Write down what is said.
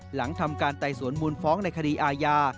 หลังทำการไต่สวนมูลฟ้องในคดีอาญา